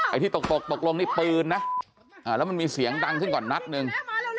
ที่ตกตกตกลงนี่ปืนนะแล้วมันมีเสียงดังขึ้นก่อนนัดหนึ่ง